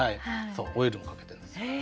そうオイルもかけてるんですよ。